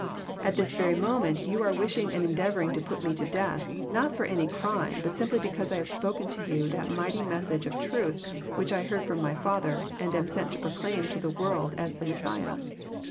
— "At this very moment you are wishing and endeavouring to put Me to death, not for any crime, but simply because I have spoken to you that mighty message of truth which I heard from My Father, and am sent to proclaim to the world as the Messiah.